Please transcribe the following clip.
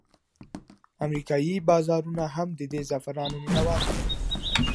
امریکایي بازارونه هم د دې زعفرانو مینوال دي.